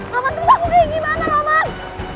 mama terus aku kayak gimana roman